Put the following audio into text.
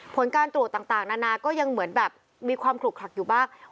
ผลการตรวจต่างนานาก็ยังเหมือนแบบมีความขลุกคลักอยู่บ้าง